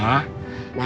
amnesia kan ya